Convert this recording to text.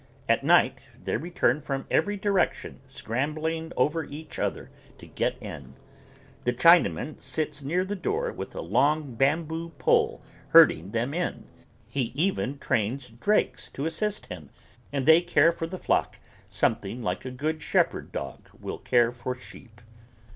At night they return from every direction scrambling over each other to get in. The Chinaman sits near the door with a long bamboo pole herding them in. He even trains drakes to assist him and they care for the flock something like a good shepherd dog will care for sheep.